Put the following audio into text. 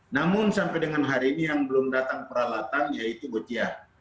namun sampai dengan hari ini yang belum datang peralatan yaitu botia